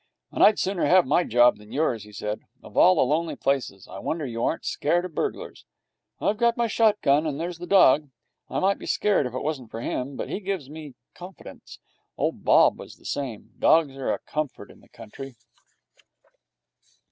'And I'd sooner have my job, than yours, dad,' he said. 'Of all the lonely places! I wonder you aren't scared of burglars.' 'I've my shot gun, and there's the dog. I might be scared if it wasn't for him, but he kind of gives me confidence. Old Bob was the same. Dogs are a comfort in the country.'